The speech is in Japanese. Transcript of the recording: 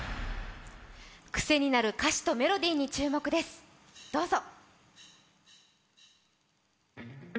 癖になる歌詞とメロディーに注目です、どうぞ。